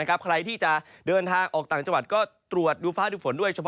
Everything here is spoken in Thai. ใครที่จะเดินทางออกต่างจังหวัดก็ตรวจดูฟ้าดูฝนด้วย